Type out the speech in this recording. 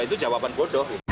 itu jawaban bodoh